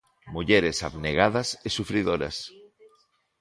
Mulleres abnegadas e sufridoras.